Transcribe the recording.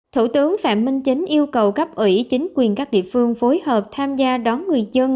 thủ tướng phạm minh chính yêu cầu cấp ủy chính quyền các địa phương phối hợp tham gia đón người dân